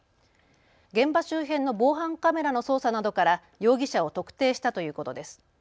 現場周辺の防犯カメラの捜査などから容疑者を特定したということです。